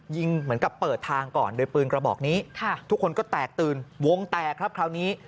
เหมือนกับเปิดทางก่อนโดยปืนกระบอกนี้ทุกคนก็แตกตื่นวงแตกครับคราวนี้